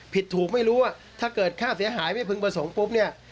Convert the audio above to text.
ผิดถูกไม่รู้ว่าถ้าเกิดค่าเสียหายไม่พึงประสงค์ปุ๊บเนี่ย